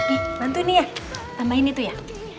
oke bantu nih ya tambahin itu ya